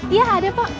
iya ada pak